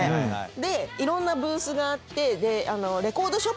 いろんなブースがあって。